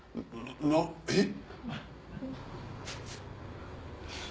えっ？